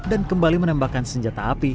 dan kembali menembakkan senjata api